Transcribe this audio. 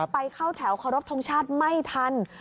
ไปเข้าแถวเคารพทงชาติไม่ทัน